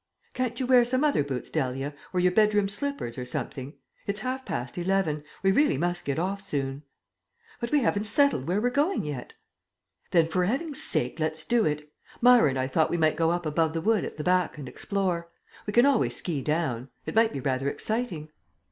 "Can't you wear some other boots, Dahlia, or your bedroom slippers or something? It's half past eleven. We really must get off soon." "But we haven't settled where we're going yet." "Then for 'eving's sake let's do it. Myra and I thought we might go up above the wood at the back and explore. We can always ski down. It might be rather exciting."